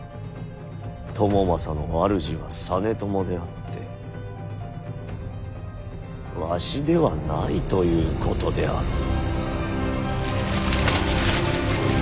朝雅の主は実朝であってわしではないということであろう。